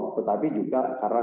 tetapi juga karena